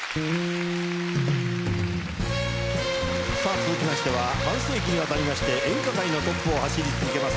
続きましては半世紀にわたりまして演歌界のトップを走り続けます